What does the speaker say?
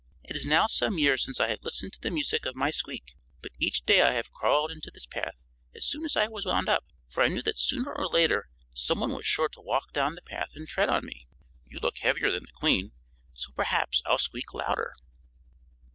It is now some years since I have listened to the music of my squeak, but each day I have crawled into this path as soon as I was wound up, for I knew that sooner or later someone was sure to walk down the path and tread on me. You look heavier than the Queen, so perhaps I'll squeak louder."